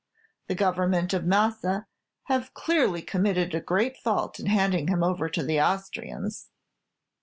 The Government of Massa have clearly committed a great fault in handing him over to the Austrians.